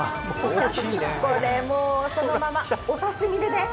これ、もうそのままお刺身でね。